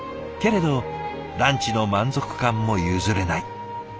けれどランチの満足感も譲れない。